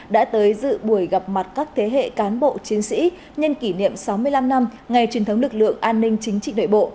đã tới dự buổi gặp mặt các thế hệ cán bộ chiến sĩ nhân kỷ niệm sáu mươi năm năm ngày truyền thống lực lượng an ninh chính trị nội bộ